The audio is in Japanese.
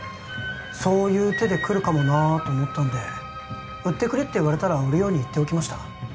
そういう手で来るかもなと思ったんで売ってくれって言われたら売るように言っておきました